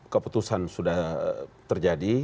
keputusan sudah terjadi